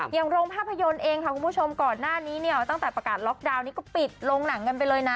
อย่างโรงภาพยนตร์เองค่ะคุณผู้ชมก่อนหน้านี้เนี่ยตั้งแต่ประกาศล็อกดาวนนี้ก็ปิดโรงหนังกันไปเลยนะ